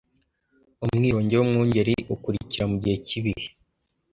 umwironge wumwungeri ukurikira mugihe cyibihe